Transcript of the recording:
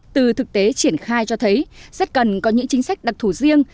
từ thực tế triển khai cho thấy rất cần có những chính sách đặc thù riêng